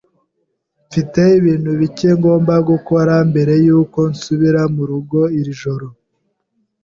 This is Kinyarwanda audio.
Mfite ibintu bike ngomba gukora mbere yuko nsubira murugo iri joro.